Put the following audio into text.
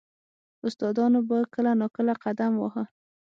• استادانو به کله نا کله قدم واهه.